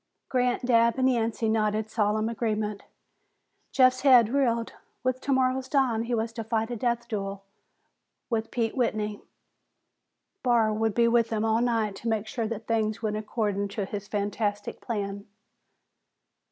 Grant, Dabb and Yancey nodded solemn agreement. Jeff's head reeled. With tomorrow's dawn, he was to fight a death duel with Pete Whitney. Barr would be with them all night to make sure that things went according to his fantastic plan.